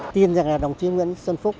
tin rằng là đồng chí nguyễn xuân phúc